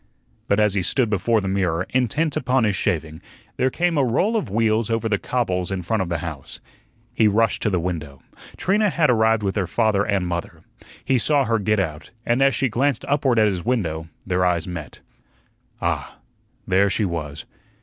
But as he stood before the mirror, intent upon his shaving, there came a roll of wheels over the cobbles in front of the house. He rushed to the window. Trina had arrived with her father and mother. He saw her get out, and as she glanced upward at his window, their eyes met. Ah, there she was.